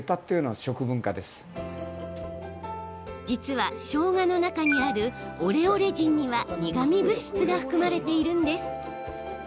実はしょうがの中にあるオレオレジンには苦み物質が含まれているんです。